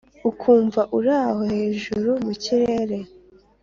Ukumva uraho hejuru mukirere